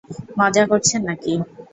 মজা করছেন না-কি?